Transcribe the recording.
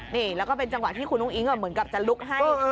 นี่แล้วก็เป็นจังหวะที่คุณอุ้งอิ๊งเหมือนกับจะลุกให้